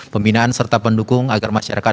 pembinaan serta pendukung agar masyarakat